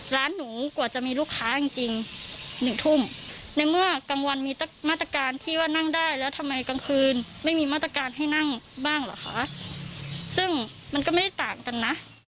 ได้จริง๑ทุ่มในเมื่อกลางวันมีมาตรการที่ว่านั่งได้แล้วทำไมกลางคืนไม่มีมาตรการให้นั่งบ้างหรอคะซึ่งมันก็ไม่ได้ต่างกันนะ